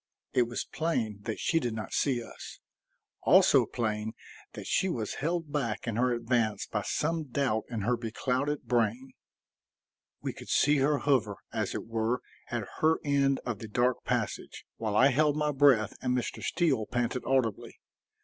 It was plain that she did not see us; also plain that she was held back in her advance by some doubt in her beclouded brain. We could see her hover, as it were, at her end of the dark passage, while I held my breath and Mr. Steele panted audibly.